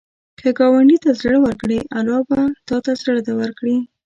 که ګاونډي ته زړه ورکړې، الله به تا ته زړونه ورکړي